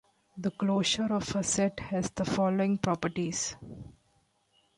The closure of a set has the following properties.